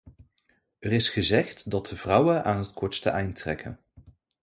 Er is gezegd dat de vrouwen aan het kortste eind trekken.